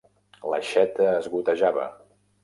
L'aixeta es gotejava.